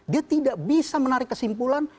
dia tidak bisa menarik kesimpulan